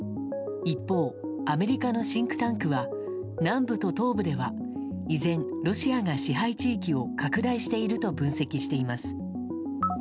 一方、アメリカのシンクタンクは南部と東部では依然、ロシアが支配地域を拡大していると分析しています。